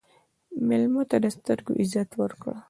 مېلمه ته د سترګو عزت ورکړه.